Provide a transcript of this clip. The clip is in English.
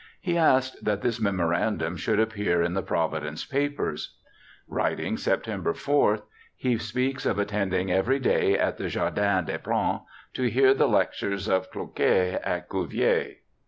He asked that this memorandum should appear in the Providence papers. Writing September 4, he speaks of attending every day at the Jardin des Plantes to hear the lectures of Cloquet and Cuvier.